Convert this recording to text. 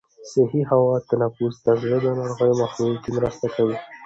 د صحي هوا تنفس د زړه د ناروغیو په مخنیوي کې مرسته کوي.